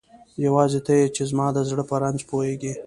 یواځی ته یی چی زما د زړه په رنځ پوهیږی